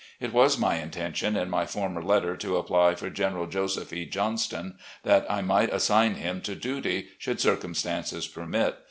It was my intention in my former letter to apply for General Joseph E. Johnston, that I might assign him to duty, should circumstances permit.